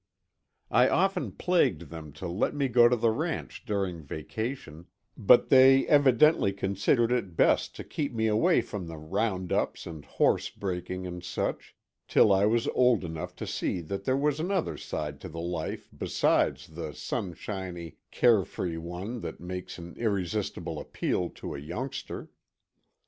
I often plagued them to let me go to the ranch during vacation, but they evidently considered it best to keep me away from the round ups and horse breaking and such, till I was old enough to see that there was another side to the life besides the sunshiny, carefree one that makes an irresistible appeal to a youngster.